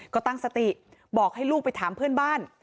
ก็ตั้งสติบอกให้ลูกไปถามเพื่อนบ้าน